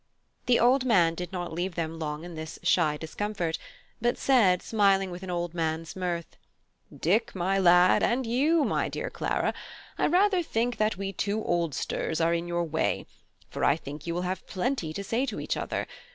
The old man did not leave them long in this shy discomfort, but said, smiling with an old man's mirth: "Dick, my lad, and you, my dear Clara, I rather think that we two oldsters are in your way; for I think you will have plenty to say to each other.